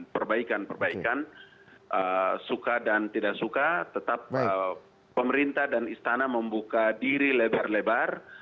perbaikan perbaikan suka dan tidak suka tetap pemerintah dan istana membuka diri lebar lebar